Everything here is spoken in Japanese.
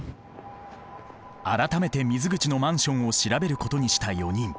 改めて水口のマンションを調べることにした４人。